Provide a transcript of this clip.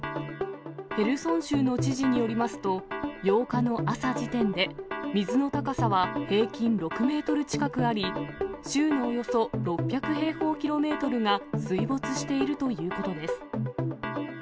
ヘルソン州の知事によりますと、８日の朝時点で、水の高さは平均６メートル近くあり、州のおよそ６００平方キロメートルが水没しているということです。